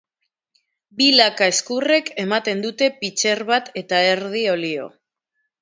Bi laka ezkurrek ematen dute pitxer bat eta erdi olio.